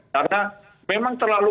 karena memang terlalu